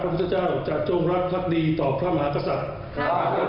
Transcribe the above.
ข้าพระพุทธเจ้าจะจงรักภักดีต่อพระมหากษัตริย์ข้าพระพุทธเจ้าจะจงรักภักดีต่อพระมหากษัตริย์